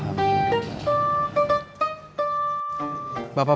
lima menit lagi